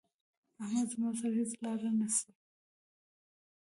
احمد زما سره هيڅ لار نه نيسي.